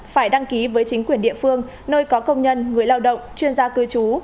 phải đăng ký với chính quyền địa phương nơi có công nhân người lao động chuyên gia cư trú